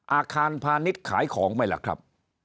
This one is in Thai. อาคารพาณิชย์ขายของไหมล่ะครับ